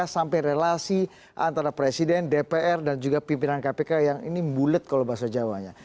sampai relasi antara presiden dpr dan juga pimpinan kpk yang ini bulet kalau bahasa jawanya